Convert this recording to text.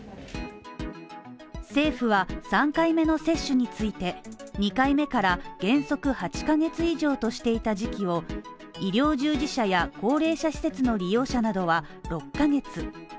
政府は３回目の接種について、２回目から原則８ヶ月以上としていた時期を、医療従事者や高齢者施設の利用者などは６ヶ月。